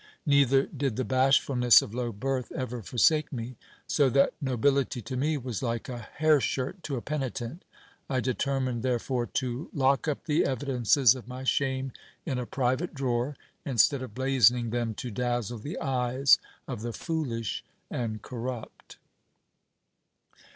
Neither did the bashfulness of low birth ever forsake me; so that nobility to me was like a hair shirt to a penitent : I determined therefore to lock up the evidences of my shame in a private drawer, instead of blazoning them to dazzle the eyes of the foolish and corrupt.